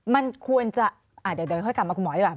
มันควรจะเดี๋ยวเดินค่อยกลับมาคุณหมอดีกว่า